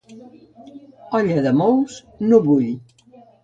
Olla de molts, no bull.